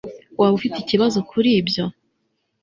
waba ufite ikibazo kuri ibyo